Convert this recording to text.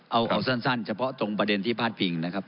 เอาเอาสั้นเฉพาะประเด็นที่ล่ำพลาดพิงนะครับ